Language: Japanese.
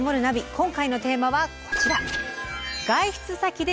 今回のテーマはこちら。